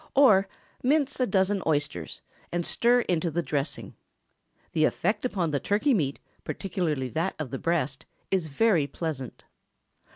Or, mince a dozen oysters and stir into the dressing. The effect upon the turkey meat, particularly that of the breast, is very pleasant.